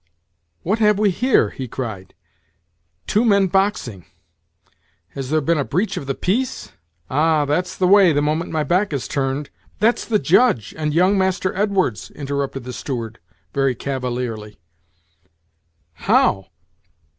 "What have we here?" he cried; "two men boxing! Has there been a breach of the peace? Ah, that's the way, the moment my back is turned ." "That's the Judge and young Master Edwards," interrupted the steward, very cavalierly. "How!